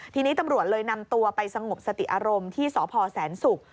ทีนี้ตำรวจเลยนำตัวไปสงบสติอารมณ์ที่สพแสนศุกร์